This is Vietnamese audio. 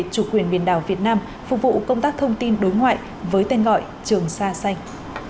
chủ quyền biển đảo việt nam phục vụ công tác thông tin đối ngoại với tên gọi trường sa xanh